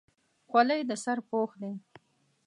خولۍ د سر پوښ دی.